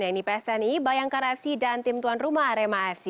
yang ini psni bayangkar fc dan tim tuan rumah arema fc